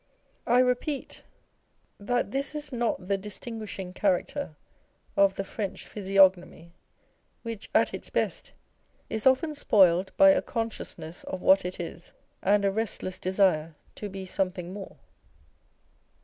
I repeat that this is not the distinguishing character of the French physiog nomy, which, at its best, is often spoiled by a conscious ness of what it is, and a restless desire to be something more.